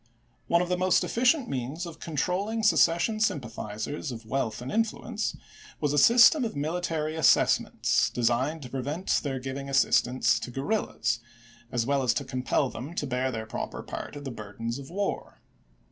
One of the most effi cient means of controlling secession sympathizers of wealth and influence, was a system of military assessments designed to prevent their giving as sistance to guerrillas, as well as to compel them to bear their proper part of the burdens of war.